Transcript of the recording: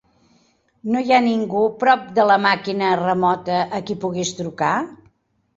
No hi ha ningú prop de la màquina remota a qui puguis trucar?